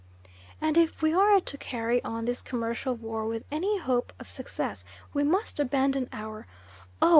And if we are to carry on this commercial war with any hope of success, we must abandon our "Oh!